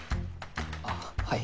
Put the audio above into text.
あっはい。